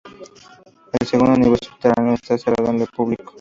El segundo nivel subterráneo está cerrado al público.